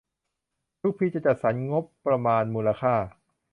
ทุกปีจะจัดสรรงบประมาณมูลค่า